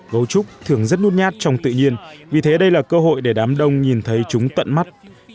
cấu trúc thường rất nhút nhát trong tự nhiên vì thế đây là cơ hội để đám đông nhìn thấy chúng tận mắt